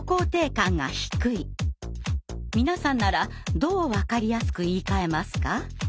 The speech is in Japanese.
皆さんならどう分かりやすく言いかえますか？